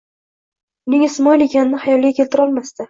Uning Ismoil ekanini xayoliga keltira olmasdi.